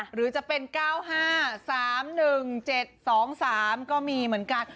หรือจะเป็นเก้าห้าสามหนึ่งเจ็ดสองสามก็มีเหมือนกัน